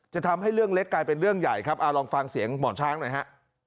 จะทำให้เรื่องเล็กกลายเป็นเรื่องใหญ่ครับเอาลองฟังเสียงหมอนช้างหน่อยฮะ